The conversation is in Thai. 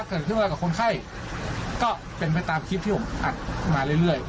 เกิดขึ้นมากับคนไข้ก็เป็นไปตามคลิปที่ผมอัดมาเรื่อย